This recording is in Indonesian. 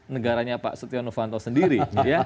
negaranya pak setiano panto sendiri